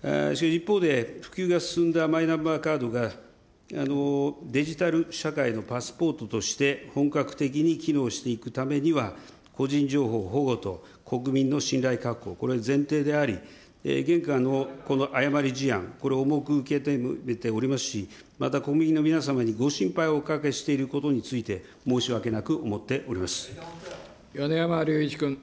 しかし一方で、普及が進んだマイナンバーカードが、デジタル社会のパスポートとして本格的に機能していくためには、個人情報保護と国民の信頼確保、これは前提であり、現下のこの誤り事案、これを重く受け止めておりますし、また、国民の皆様にご心配をおかけしていることについて、申し訳なく思っ米山隆一君。